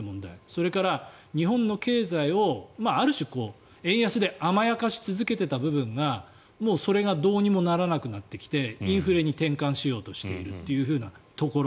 それから日本の経済をある種、円安で甘やかし続けていた部分がもうそれがどうにもならなくなってきてインフレに転換しようとしているというところ。